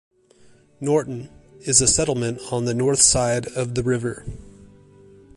'Norton' is a settlement on the north side of the river.